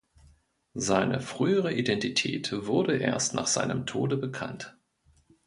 Seine frühere Identität wurde erst nach seinem Tode bekannt.